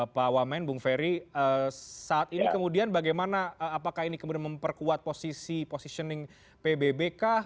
pak wamen bung ferry saat ini kemudian bagaimana apakah ini kemudian memperkuat posisi positioning pbb kah